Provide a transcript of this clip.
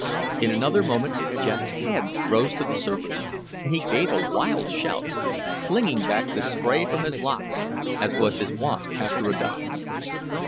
In another moment Jack's head rose to the surface, and he gave a wild shout, flinging back the spray from his locks, as was his wont after a dive.